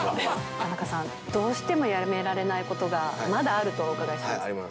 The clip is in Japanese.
田中さん、どうしてもやめられないことがまだあるとお伺いしています。